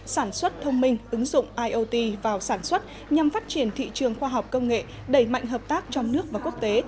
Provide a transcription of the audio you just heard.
sản xuất thông minh ứng dụng iot vào sản xuất nhằm phát triển thị trường khoa học công nghệ đẩy mạnh hợp tác trong nước và quốc tế